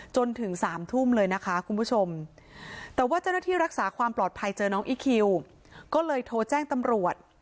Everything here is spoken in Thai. จนถึง๓ทุ่มเลยนะคะคุณผู้ชมแต่ว่าเจ้าหน้าที่รักษาความปลอดภัยเจอน้องอีคิวก็เลยโทรแจ้งตำรวจ